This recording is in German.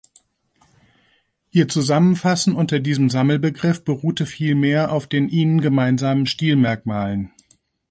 Ihr Zusammenfassen unter diesem Sammelbegriff beruhte vielmehr auf den ihnen gemeinsamen Stilmerkmalen.